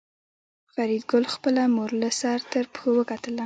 فریدګل خپله مور له سر تر پښو وکتله